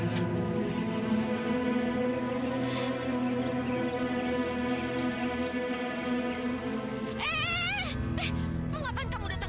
t oben karan